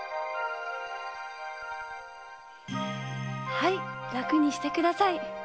はいらくにしてください。